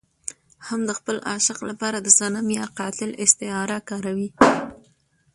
هم د خپل عاشق لپاره د صنم يا قاتل استعاره کاروي.